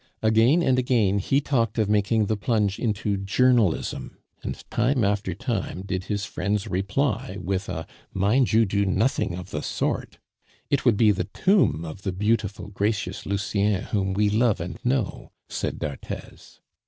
Again and again he talked of making the plunge into journalism; and time after time did his friends reply with a "Mind you do nothing of the sort!" "It would be the tomb of the beautiful, gracious Lucien whom we love and know," said d'Arthez.